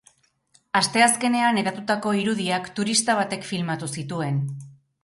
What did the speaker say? Asteazkenean hedatutako irudiak turista batek filmatu zituen.